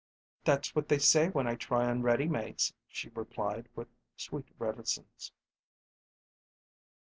"That's what they say when I try on ready mades," she replied, with sweet reticence.